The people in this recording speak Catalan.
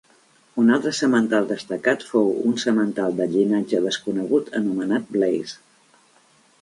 Un altre semental destacat fou un semental de llinatge desconegut anomenat Blaze.